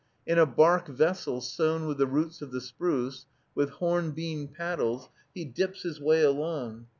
In a bark vessel sewn with the roots of the spruce, with horn beam paddles, he dips his way along.